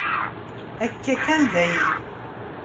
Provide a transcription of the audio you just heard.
Akka kan, dayen.